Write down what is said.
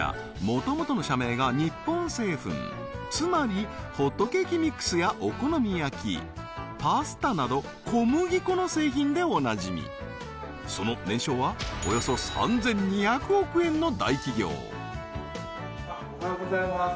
もともとの社名が日本製粉つまりホットケーキミックスやお好み焼パスタなど小麦粉の製品でおなじみおはようございます